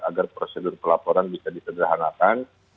agar prosedur pelaporan bisa disederhanakan